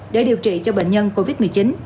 để điều trị cho bệnh nhân covid một mươi chín